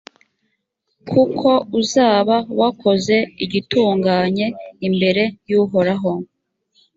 kuko uzaba wakoze igitunganye imbere y’uhoraho.